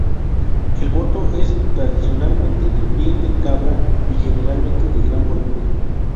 El boto es tradicionalmente de piel de cabra y generalmente de gran volumen.